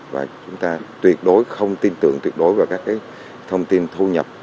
và chúng ta tuyệt đối không tin tưởng tuyệt đối vào các thông tin thu nhập